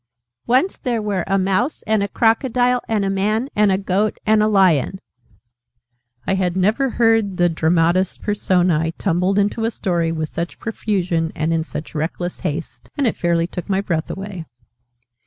"Once there were a Mouse and a Crocodile and a Man and a Goat and a Lion." I had never heard the 'dramatis personae' tumbled into a story with such profusion and in such reckless haste; and it fairly took my breath away.